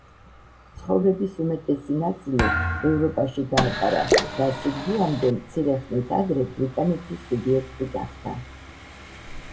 ცხოვრების უმეტესი ნაწილი ევროპაში გაატარა და სიკვდილამდე მცირე ხნით ადრე ბრიტანეთის სუბიექტი გახდა.